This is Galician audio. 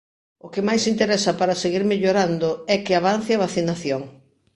O que máis interesa para seguir mellorando é que avance a vacinación.